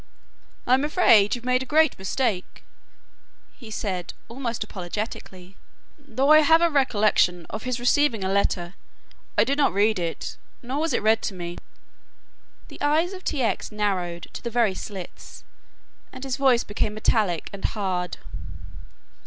"I am afraid you've made a great mistake," he said almost apologetically, "though I have a recollection of his receiving a letter, I did not read it, nor was it read to me." The eyes of T. X. narrowed to the very slits and his voice became metallic and hard.